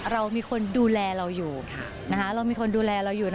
เรามีคนดูแลเราอยู่เรามีคนดูแลเราอยู่